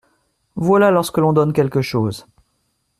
Voilà lorsque l’on donne quelque chose.